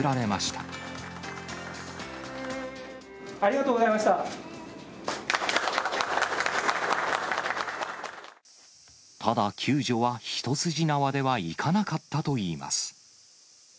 ただ、救助は一筋縄ではいかなかったといいます。